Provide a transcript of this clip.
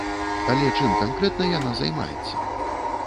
Але чым канкрэтна яна займаецца?